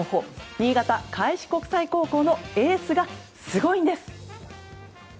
新潟・開志国際高校のエースがすごいんです！